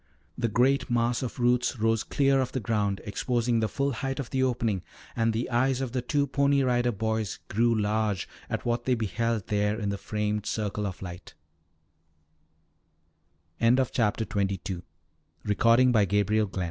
The great mass of roots rose clear of the ground, exposing the full height of the opening, and the eyes of the two Pony Rider Boys grew large at what they beheld there in the framed circle of light, CHAPTER XXIII IN A PERILOUS POSITION As root mass swung